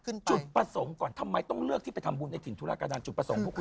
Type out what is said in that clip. แจ๊คจิลวันนี้เขาสองคนไม่ได้มามูเรื่องกุมาทองอย่างเดียวแต่ว่าจะมาเล่าเรื่องประสบการณ์นะครับ